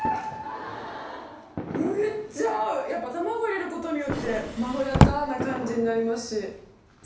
めっちゃ合うやっぱ卵入れることによってまろやかな感じになりますし。